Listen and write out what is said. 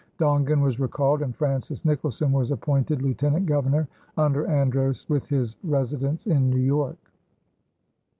Dongan was recalled, and Francis Nicholson was appointed lieutenant governor under Andros, with his residence in New York.